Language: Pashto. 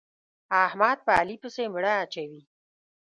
احمد په علي پسې مړه اچوي.